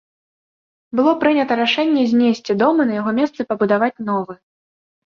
Было прынята рашэнне знесці дом і на яго месцы пабудаваць новы.